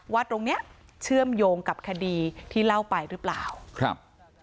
ตรงเนี้ยเชื่อมโยงกับคดีที่เล่าไปหรือเปล่าครับ